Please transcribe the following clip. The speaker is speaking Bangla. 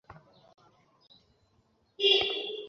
অগ্রিম দিতে চান?